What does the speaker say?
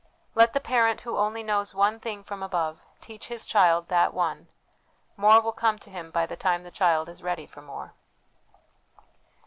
Let the parent who only knows one thing from above teach his child that one ; more will come to him by the time the child is ready for more.